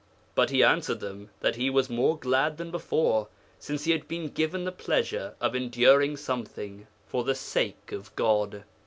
But he answered them that he was more glad than before, since he had been given the pleasure of enduring something for the sake of God.